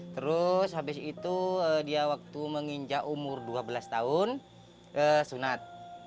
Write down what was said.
terus habis itu dia waktu menginjak umur dua belas tahun ke sunat